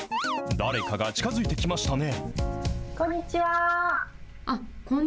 誰かが近づいてきましたね。